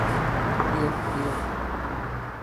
یہ پیو